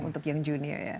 untuk yang junior ya